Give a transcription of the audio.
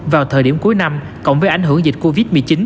vào thời điểm cuối năm cộng với ảnh hưởng dịch covid một mươi chín